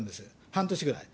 半年ぐらい。